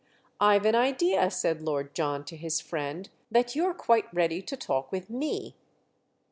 "I've an idea," said Lord John to his friend, "that you're quite ready to talk with me."